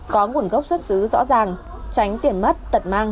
có nguồn gốc xuất xứ rõ ràng tránh tiền mất